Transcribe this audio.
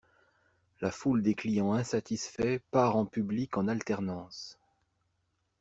La foule des clients insatisfaits part en public en alternance.